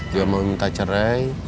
dia mau minta cerai